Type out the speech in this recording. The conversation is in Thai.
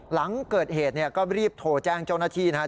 หลังเกิดเหตุเนี่ยก็รีบโทรแจ้งเจ้าหน้าที่นะครับ